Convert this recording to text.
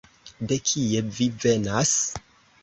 De kie vi venas?